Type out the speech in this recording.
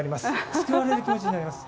救われる気持ちになります。